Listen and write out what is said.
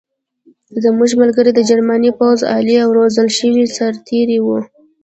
زموږ ملګري د جرمني پوځ عالي او روزل شوي سرتېري وو